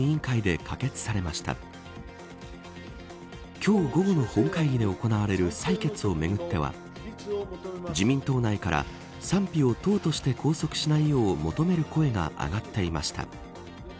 今日午後の本会議で行われる採決をめぐっては自民党内から、賛否を党として拘束しないよう求める声が上がっていました。